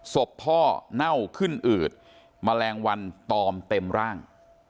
ศพพ่อเน่าขึ้นอืดแมลงวันตอมเต็มร่าง